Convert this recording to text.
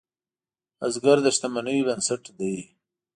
بزګر د شتمنیو بنسټ دی